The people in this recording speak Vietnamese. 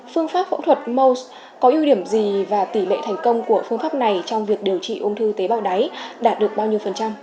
phương pháp phẫu thuật mos có ưu điểm gì và tỷ lệ thành công của phương pháp này trong việc điều trị ung thư tế bào đáy đạt được bao nhiêu phần trăm